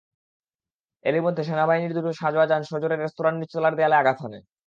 এরই মধ্যে সেনাবাহিনীর দুটো সাঁজোয়া যান সজোরে রেস্তোরাঁর নিচতলার দেয়ালে আঘাত হানে।